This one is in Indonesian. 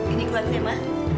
ini gua dema